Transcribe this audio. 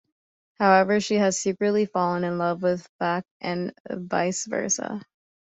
However, she has secretly fallen in love with Phak and vice versa.